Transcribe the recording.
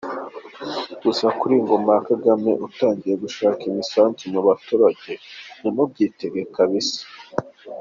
Gusa kuri iyi ngoma ya Kagame utangiye gushaka imisanzu mu baturage ntimubyitege kabisa”